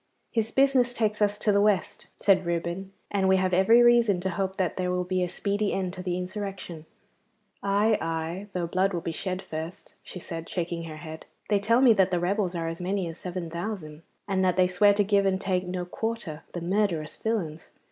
'His business takes us to the West,' said Reuben, 'and we have every reason to hope that there will be a speedy end to the insurrection.' 'Aye, aye, though blood will be shed first,' she said, shaking her head. 'They tell me that the rebels are as many as seven thousand, and that they swear to give an' take no quarter, the murderous villains!